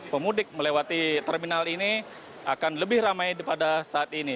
pemudik melewati terminal ini akan lebih ramai pada saat ini